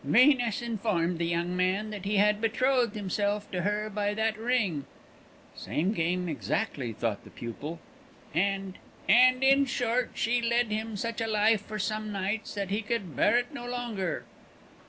"Venus informed the young man that he had betrothed himself to her by that ring" ("Same game exactly," thought the pupil), "and and, in short, she led him such a life for some nights, that he could bear it no longer.